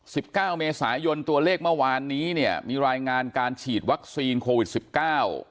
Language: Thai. สิบเก้าเมษายนตัวเลขเมื่อวานนี้เนี่ยมีรายงานการฉีดวัคซีนโควิดสิบเก้า